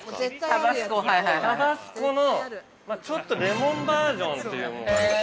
タバスコの、ちょっとレモンバージョンという。